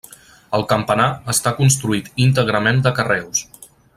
El campanar està construït íntegrament de carreus.